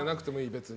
別に。